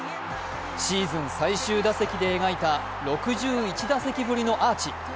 シーズン最終打席で描いた６１打席ぶりのアーチ。